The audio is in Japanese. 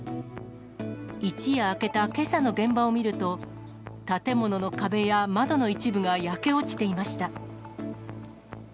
一夜明けたけさの現場を見ると、建物の壁や窓の一部が焼け落ちていました。